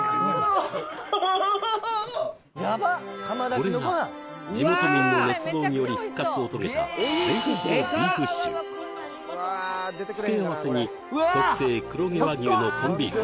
これが地元民の熱望により復活を遂げた伝説のビーフシチュー付け合わせに特製黒毛和牛のコンビーフ